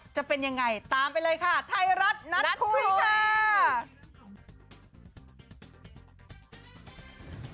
จะเป็นยังไงตามไปเลยค่ะไทยรัฐนัดคุยค่ะ